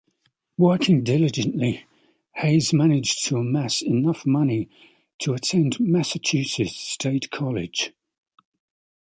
Working diligently, Hayes managed to amass enough money to attend Massachusetts State College.